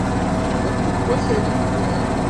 Tebnam deg wakal-nwen?